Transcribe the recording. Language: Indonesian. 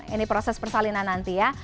ini proses persalinan nanti ya